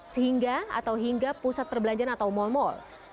sehingga atau hingga pusat perbelanjaan atau mall mall